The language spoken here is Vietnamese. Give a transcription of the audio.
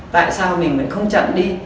tại sao mình mới không chặn đi